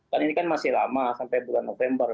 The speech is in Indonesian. karena ini kan masih lama sampai bulan november